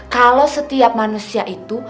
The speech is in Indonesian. kalau setiap manusia itu